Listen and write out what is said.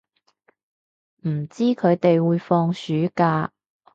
唔知佢哋會放暑假